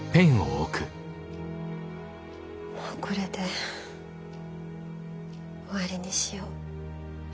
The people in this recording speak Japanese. もうこれで終わりにしよう。